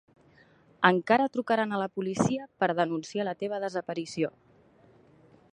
Encara trucaran a la policia per denunciar la teva desaparició.